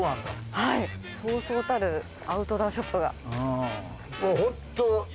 はいそうそうたるアウトドアショップが。